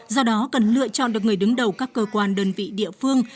do đó cần lựa chọn được người đứng đầu các cơ quan đơn vị địa phương